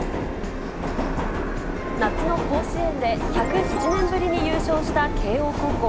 夏の甲子園で、１０７年ぶりに優勝した慶応高校。